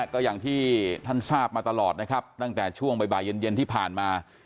ก็อย่างที่ท่านทราบมาตลอดนะครับตั้งแต่ช่วงบ่ายเย็นที่ผ่านมา